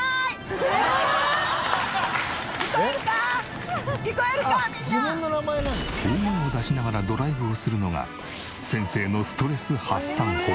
大声を出しながらドライブをするのが先生のストレス発散法。